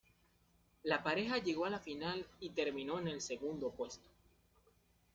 La pareja llegó a la final y terminó en el segundo puesto.